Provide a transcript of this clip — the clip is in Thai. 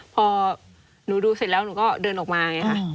พอหนูดูเสร็จแล้วหนูก็เดินออกมาไงค่ะ